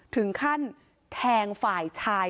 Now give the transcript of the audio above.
ถึงขั้นแทงฝ่ายชาย